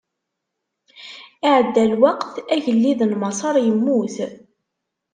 Iɛedda lweqt, agellid n Maṣer immut.